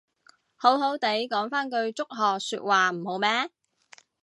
好好哋講返句祝賀說話唔好咩